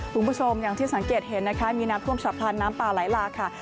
คุณผู้ชมอย่างที่สังเกตเห็นนะคะมีน้ำท่วมฉับพลันน้ำป่าไหลหลากค่ะ